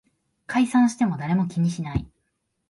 解散しても誰も気にしない